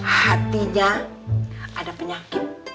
hatinya ada penyakit